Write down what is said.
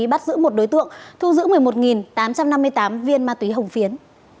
bắt giữ một đối tượng thu giữ một mươi một tám trăm năm mươi tám viên ma túy hồng phiến